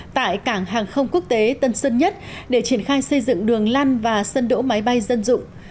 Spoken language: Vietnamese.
tại cảng hàng không quốc tế tân sơn nhất để triển khai xây dựng đường lăn và sân đỗ máy bay dân dụng